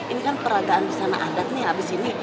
ini kan peradaan di sana adat nih abis ini